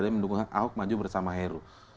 tapi mendukung ahok maju bersama heru